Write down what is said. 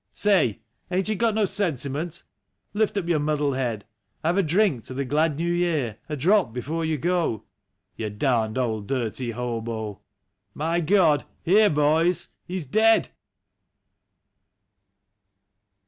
Say! ain't you got no sentiment? Lift up your muddled head; Have a drink to the glad ISTew Year, a drop before you go— You darned old dirty hobo ... My God! Here, boys ! He's dead